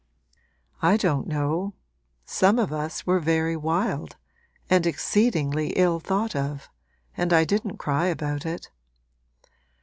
'I don't know; some of us were very wild, and exceedingly ill thought of, and I didn't cry about it.